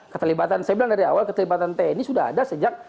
keterlibatan saya bilang dari awal keterlibatan tni sudah ada sejak